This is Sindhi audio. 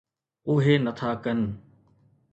اهي نٿا ڪن.